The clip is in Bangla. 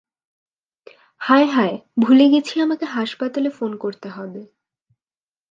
হায় হায় ভুলে গেছি আমাকে হাসপাতালে ফোন করতে হবে।